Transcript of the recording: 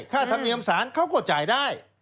ค่าธนิยมศาลเขาก็จ่ายได้